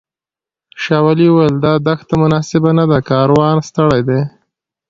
شاولي وویل دا دښته مناسبه نه ده کاروان ستړی دی.